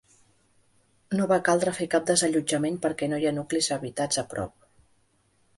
No va caldre fer cap desallotjament, perquè no hi ha nuclis habitats a prop.